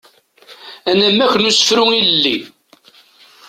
Anamek n usefru ilelli.